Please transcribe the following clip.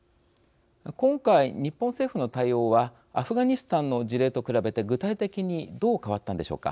今回日本政府の対応はアフガニスタンの事例と比べて具体的にどう変わったんでしょうか。